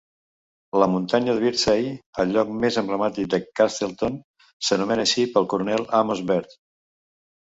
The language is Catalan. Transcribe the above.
La muntanya de Birdseye, el lloc més emblemàtic de Castleton, s'anomena així pel coronel Amos Bird.